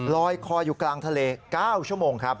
ลอยคออยู่กลางทะเล๙ชั่วโมงครับ